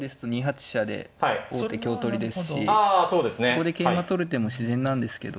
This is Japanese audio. ここで桂馬取る手も自然なんですけど。